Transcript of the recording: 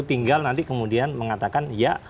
tinggal nanti kemudian mengatakan ya